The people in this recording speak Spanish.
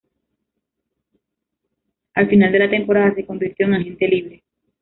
Al final de la temporada, se convirtió en agente libre.